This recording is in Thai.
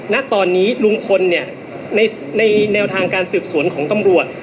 ณตอนนี้ลุงพลเนี่ยในแนวทางการสืบสวนของตำรวจ